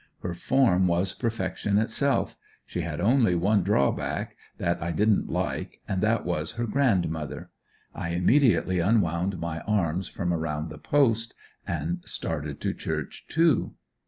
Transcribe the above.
Her form was perfection itself; she had only one drawback that I didn't like and that was her grandmother. I immediately unwound my arms from around the post and started to church too.